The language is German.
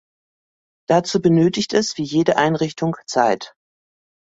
Dazu benötigt es wie jede Einrichtung Zeit.